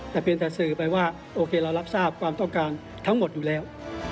แต่เพียงแต่สื่อไปว่าโอเคเรารับทราบความต้องการทั้งหมดอยู่แล้ว